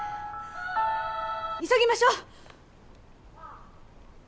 急ぎましょう！